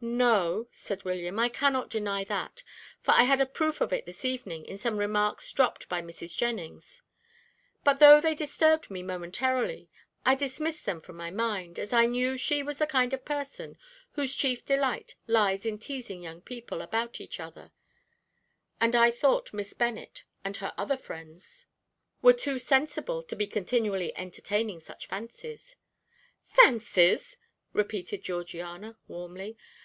"No," said William, "I cannot deny that, for I had a proof of it this evening in some remarks dropped by Mrs. Jennings; but though they disturbed me momentarily, I dismissed them from my mind, as I knew she was the kind of person whose chief delight lies in teasing young people about each other, and I thought Miss Bennet, and her other friends, were too sensible to be continually entertaining such fancies." "Fancies!" repeated Georgiana warmly.